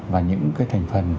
và những cái thành phần